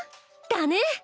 だね！